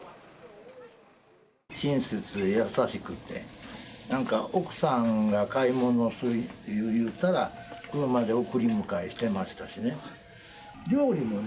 親切で優しくて、なんか奥さんが買い物するって言うたら、車で送り迎えしてましたしね。